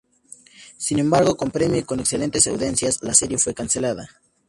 Sin embargo, con premio y con excelentes audiencias, la serie fue cancelada.